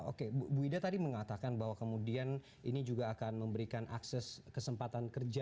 oke bu ida tadi mengatakan bahwa kemudian ini juga akan memberikan akses kesempatan kerja